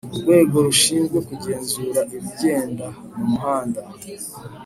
urwego rushinzwe kugenzura ibigenda mu muhanda